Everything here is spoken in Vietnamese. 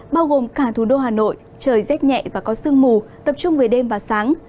bao gồm cả thủ đô hà nội trời rét nhẹ và có sương mù tập trung về đêm và sáng